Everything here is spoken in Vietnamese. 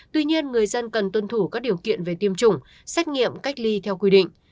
tuy nhiên người dân cần tuân thủ các điều kiện về tiêm chủng xét nghiệm cách ly theo quy định